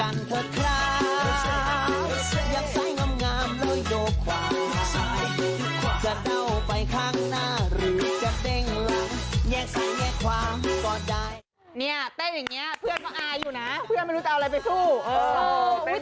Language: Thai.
เต้นอย่างนี้เพื่อนก็อายอยู่นะเพื่อนไม่รู้จะเอาอะไรไปสู้